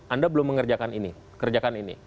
anda belum mengerjakan ini kerjakan ini